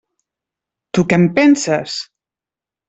Tu què en penses?